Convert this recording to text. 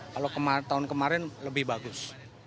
kalau tahun kemarin lebih bagus